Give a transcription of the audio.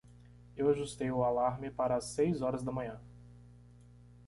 Eu ajustei o alarme para as seis horas da manhã.